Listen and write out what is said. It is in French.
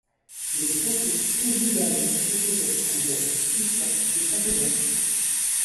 Les Protostegidae possédaient un bec puissant, mais pas de dents.